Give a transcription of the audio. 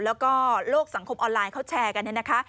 แล้วก็โลกสังคมออนไลน์เขาแชร์กันเนี่ยนะคะ